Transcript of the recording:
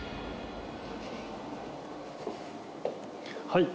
はい。